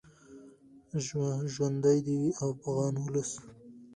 ژوندی دې وي افغان ولس.